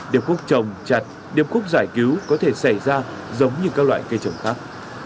điểm khúc trồng chặt điểm khúc giải cứu có thể xảy ra giống như các loại cây trồng khác